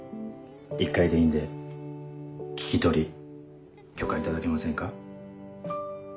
一回でいいんで聞き取り許可頂けませんか？